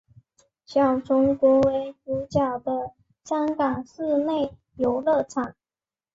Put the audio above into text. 小熊国为主角的香港室内游乐场。